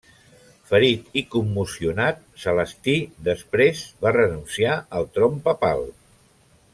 Ferit i commocionat, Celestí després va renunciar al tron papal.